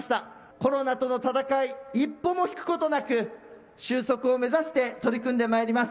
コロナとの戦い、一歩も引くことなく収束を目指して取り組んでまいります。